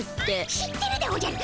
知ってるでおじゃる。